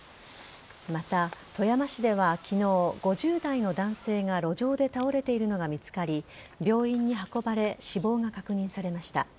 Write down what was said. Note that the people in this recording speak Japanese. また、富山市では昨日５０代の男性が路上で倒れているのが見つかり病院に運ばれ死亡が確認されました。